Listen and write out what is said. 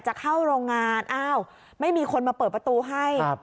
จะเข้าโรงงานอ้าวไม่มีคนมาเปิดประตูให้